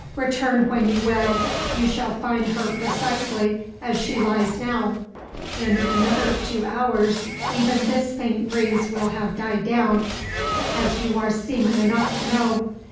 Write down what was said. Return when you will, you shall find her precisely as she lies now. In another two hours even this faint breeze will have died down, as you are seamen enough to know.